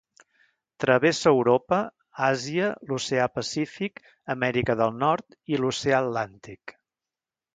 Travessa Europa, Àsia, l'Oceà Pacífic, Amèrica del Nord, i l'Oceà Atlàntic.